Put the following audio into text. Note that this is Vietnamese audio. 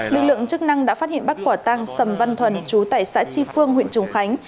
lực lượng chức năng đã phát hiện bắt quả tăng sầm văn thuần chú tại xã tri phương huyện trùng khánh